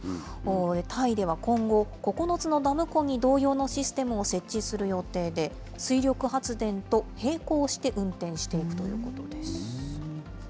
タイでは今後、９つのダム湖に同様のシステムを設置する予定で、水力発電と並行して運転していくということです。